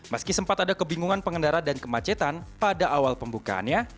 meski sempat ada kebingungan pengendara dan kemacetan pada awal pembukaannya